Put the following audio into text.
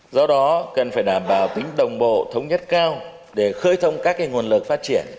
do đó cần phải đảm bảo tính đồng bộ thống nhất cao để khơi thông các nguồn lực phát triển